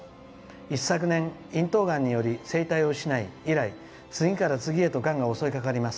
一昨年、咽頭がんにより声帯を失い、以来次から次へがんが襲い掛かります。